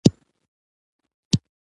د چايو پر پياله به يې سره دعوه وه.